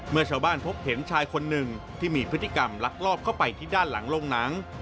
เมื่อชาวบ้านพบเห็นชายคนหนึ่งที่มีพฤติกรรมลักลอบเข้าไปที่ด้านหลังโรงหนัง